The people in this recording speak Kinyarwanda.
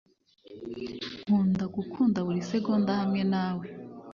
nkunda gukunda buri segonda hamwe nawe